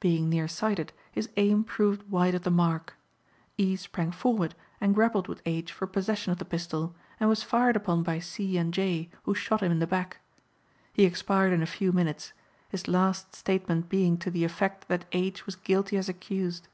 Being near sighted, his aim proved wide of the mark. E. sprang forward and grappled with H. for possession of the pistol, and was fired upon by C. and J., who shot him in the back. He expired in a few minutes, his last statement being to the effect that H. was guilty as accused.